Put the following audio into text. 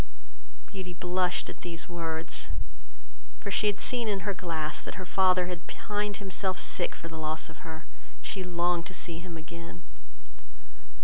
Beauty blushed at these words; she had seen in her glass, that her father had pined himself sick for the loss of her, and she longed to see him again.